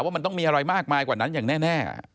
ว่ามันต้องมีอะไรมากมายกว่านั้นอย่างแน่